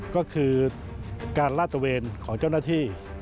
ก็คือการลาดตะเวนของเจ้าหน้าที่